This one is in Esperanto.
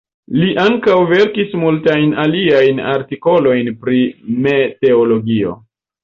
Li ankaŭ verkis multajn aliajn artikolojn pri meteologio.